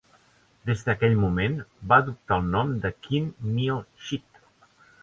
Des d'aquell moment, va adoptar el nom de Khin Myo Chit.